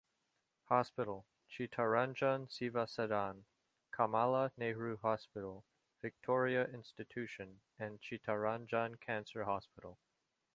Hospital, Chittaranjan Seva Sadan, Kamala Nehru Hospital, Victoria Institution, and Chittaranjan Cancer Hospital.